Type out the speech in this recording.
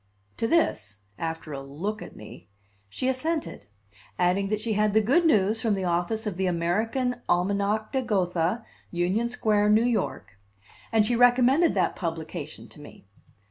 To this, after a look at me, she assented, adding that she had the good news from the office of The American Almanach de Gotha, Union Square, New York; and she recommended that publication to me.